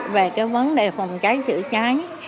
về cái vấn đề phòng trái chữa trái